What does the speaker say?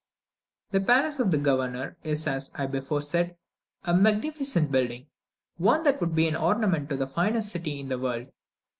The Palace of the governor is as I before said, a magnificent building one that would be an ornament to the finest city in the world.